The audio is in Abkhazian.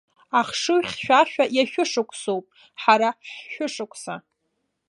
Ахшыҩ хьшәашәа иашәышықәсоуп ҳара ҳшәышықәса!